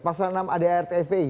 pasal enam adart fpi